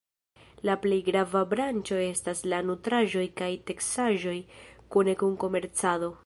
La plej grava branĉo estas la nutraĵoj kaj teksaĵoj kune kun komercado.